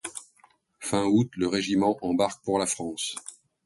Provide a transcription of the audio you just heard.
Fin août, le régiment embarque pour la France.